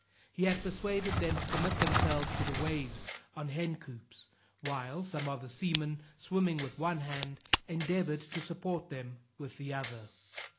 He had persuaded them to commit themselves to the waves on hen coops, while some of the seamen, swimming with one hand, endeavored to support them with the other.